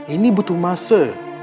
ini butuh masa